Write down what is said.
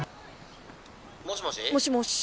「もしもし？」。